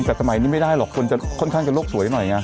แต่สมัยนี้ไม่ได้หรอกคนจะค่อนข้างจะโลกสวยหน่อยไง